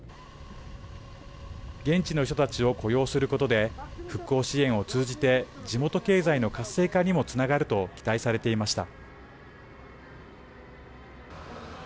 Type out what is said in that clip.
現地の人たちを雇用することで復興支援を通じて地元経済の活性化にもつながると期待されていました。